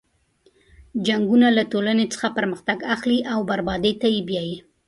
جنګونه له ټولنې څخه پرمختګ اخلي او بربادۍ ته یې بیایي.